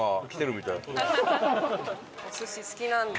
お寿司好きなんだ。